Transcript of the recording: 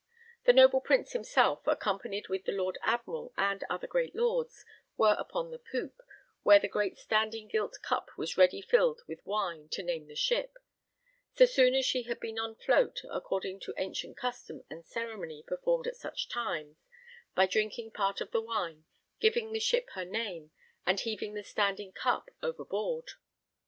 The noble Prince himself, accompanied with the Lord Admiral and other great Lords, were upon the poop, where the great standing gilt cup was ready filled with wine to name the ship, so soon as she had been on float, according to ancient custom and ceremony performed at such times, by drinking part of the wine, giving the ship her name, and heaving the standing cup overboard.